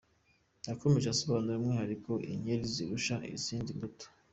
Yakomeje asobanura umwihariko inkeri zirusha izindi mbuto.